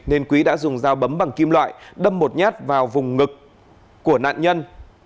nên quý đã dùng dao bấm bằng kim loại đâm một nhát vào vùng ngực của nạn nhân